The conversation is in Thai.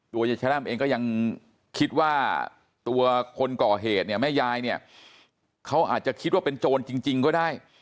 ยายแร่มเองก็ยังคิดว่าตัวคนก่อเหตุเนี่ยแม่ยายเนี่ยเขาอาจจะคิดว่าเป็นโจรจริงก็ได้